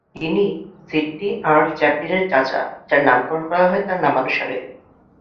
তিনি Sydney Earl চ্যাপলিনের চাচা, যার নামকরণ করা হয় তার নামানুসারে।